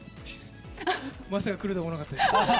まさかくると思わなかったです。